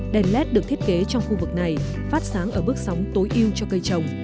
đèn led được thiết kế trong khu vực này phát sáng ở bức sóng tối yêu cho cây trồng